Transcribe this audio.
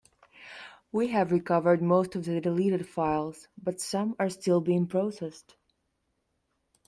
We have recovered most of the deleted files, but some are still being processed.